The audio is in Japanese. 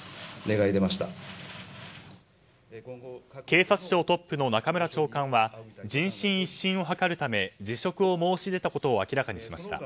警察庁トップの中村長官は人心一新を図るため辞職を申し出たことを明らかにしました。